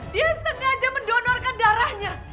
dia sengaja mendonorkan darahnya